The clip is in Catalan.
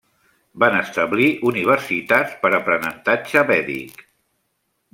Van establir universitats per aprenentatge vèdic.